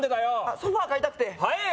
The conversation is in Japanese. ソファー買いたくて早えよ！